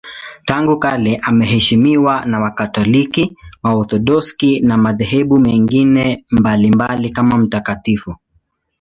Tangu kale anaheshimiwa na Wakatoliki, Waorthodoksi na madhehebu mengine mbalimbali kama mtakatifu.